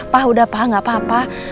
pa udah pa gapapa